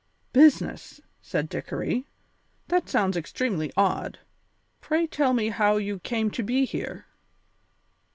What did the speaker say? "Business!" said Dickory. "That sounds extremely odd. Pray tell me how you came to be here."